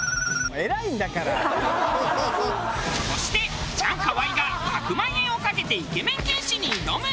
そしてチャンカワイが１００万円を懸けてイケメン剣士に挑む。